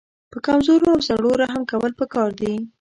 په کمزورو او زړو رحم کول پکار دي.